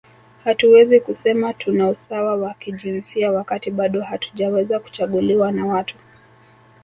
Hatuwezi kusema tuna usawa wa kijinsia wakati bado hatujaweza kuchaguliwa na watu